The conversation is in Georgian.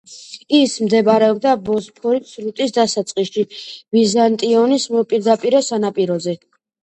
ის მდებარეობდა ბოსფორის სრუტის დასაწყისში, ბიზანტიონის მოპირდაპირე სანაპიროზე.